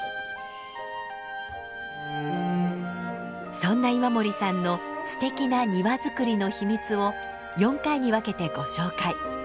そんな今森さんのすてきな庭づくりの秘密を４回に分けてご紹介。